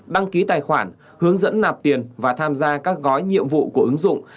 đăng ký tài khoản hướng dẫn nạp tiền và tham gia các gói nhiệm vụ của ứng dụng